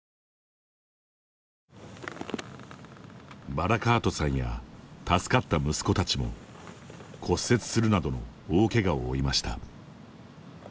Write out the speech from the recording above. バラカートさんや助かった息子たちも骨折するなどの大けがを負いました。